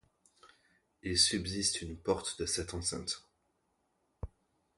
Il subsiste une porte de cette enceinte.